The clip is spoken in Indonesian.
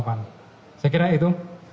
saya kira itu